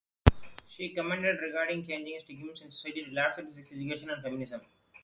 She commented regarding changing stigmas in society related to sex education and feminism.